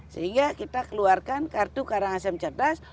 sehingga kita keluarkan kartu karangasem cerdas